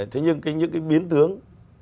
thế nhưng những cái biến tướng